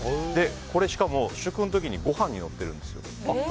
しかも試食の時にご飯にのってるんですよ。